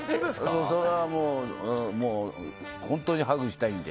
それは本当にハグしたいんで。